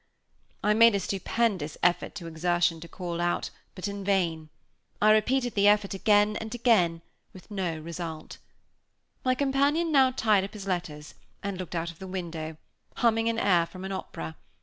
I made a stupendous exertion to call out, but in vain; I repeated the effort again and again, with no result. My companion now tied up his letters, and looked out of the window, humming an air from an opera.